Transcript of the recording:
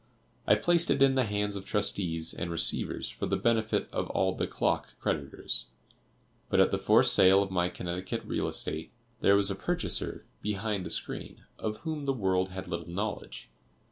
I placed it in the hands of trustees and receivers for the benefit of all the "clock" creditors. But, at the forced sale of my Connecticut real estate, there was a purchaser behind the screen, of whom the world had little knowledge.